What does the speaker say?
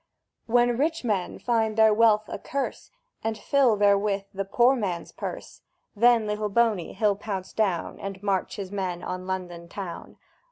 When Rich Men find their wealth a curse, And fill therewith the Poor Man's purse; Then Little Boney he'll pounce down, And march his men on London town!